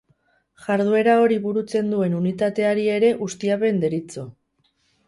Jarduera hori burutzen duen unitateari ere ustiapen deritzo.